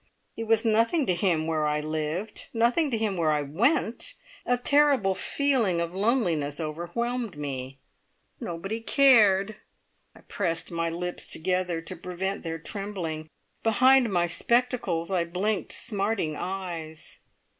It was nothing to him where I lived nothing to him where I went! A terrible feeling of loneliness overwhelmed me. Nobody cared! I pressed my lips together to prevent their trembling; behind my spectacles I blinked smarting eyes.